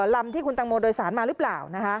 ลำที่คุณตังโมโดยสารมาหรือเปล่า